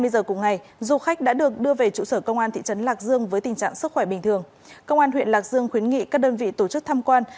công an huyện lạc dương khuyến nghị các đơn vị tổ chức tham quan